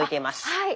はい。